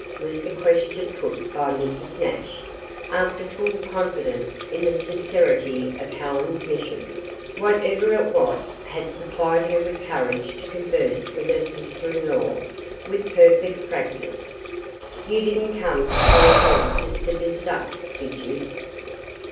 was the question put by Mrs. Nash, after full confidence in the sincerity of Helen's mission, whatever it was, had supplied her with courage to converse with her sister in law with perfect frankness. "You didn't come to Hollyhill just to visit us, did you?"